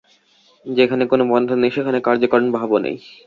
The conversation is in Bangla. যেখানে কোন বন্ধন নেই, সেখানে কার্যকারণ-ভাবও নেই।